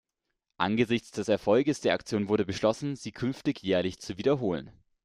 Angesichts des Erfolgs der Aktion wurde beschlossen, sie künftig jährlich zu wiederholen.